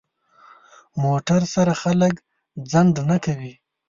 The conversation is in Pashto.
موټر سره خلک ځنډ نه کوي.